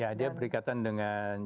ya dia berikatan dengan